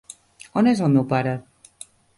On és el meu pare?